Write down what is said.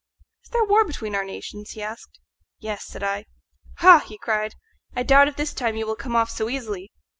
"Is there war between our nations?" he asked. "Yes," said I. "Ha!" he cried, "I doubt if this time you will come off so easily.